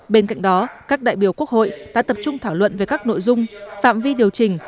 bên cạnh đó các đại biểu quốc hội đã tập trung thảo luận về các nội dung phạm vi điều chỉnh